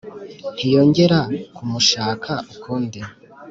ntiyongera kumushaka ukundi